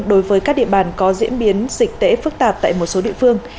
đối với các địa bàn có diễn biến dịch tễ phức tạp tại một số địa phương